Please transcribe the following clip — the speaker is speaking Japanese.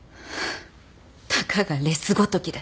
たかがレスごときで。